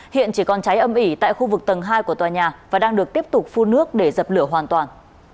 hiện chỉ còn cháy âm ỉ tại khu vực tầng hai của tòa nhà và đang được tiếp tục phun nước để dập lửa hoàn toàn